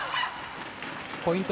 ポイント